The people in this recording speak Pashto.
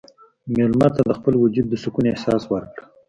مېلمه ته د خپل وجود د سکون احساس ورکړه.